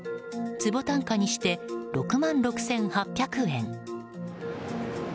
坪単価にして６万６８００円。